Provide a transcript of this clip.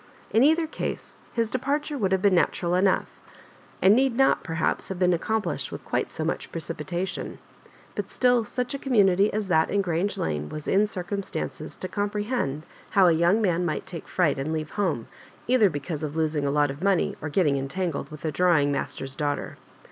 In either case his departure would have been natural enough, and need not, perhaps, have been accomplished with quite so much pre cipitation ; but still such a community as that in Grange Lane was in circumstances to compre hend how a young man misht take fright and leave home, either because of losing a lot of mo ney, or getting entangled with a drawing*mas ter*s daughter.